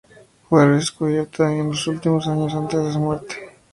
Fue redescubierta en los últimos años antes de su muerte.